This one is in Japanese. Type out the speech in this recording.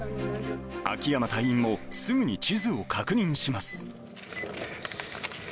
秋山隊員もすぐに地図を確認します。